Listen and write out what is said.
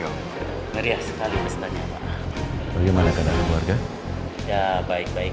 hai meryar sekali weston ya pak bagaimana keluarga keluarga nggak baik baik